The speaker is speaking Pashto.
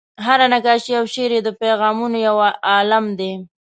هره نقاشي او شعر یې د پیغامونو یو عالم دی.